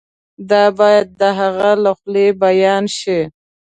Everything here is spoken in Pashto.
دا باید د هغه له خولې بیان شي.